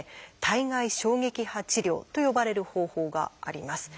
「体外衝撃波治療」と呼ばれる方法があります。